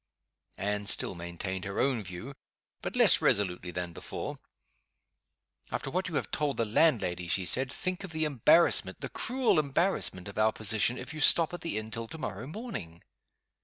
Anne still maintained her own view, but less resolutely than before. "After what you have told the landlady," she said, "think of the embarrassment, the cruel embarrassment of our position, if you stop at the inn till to morrow morning!"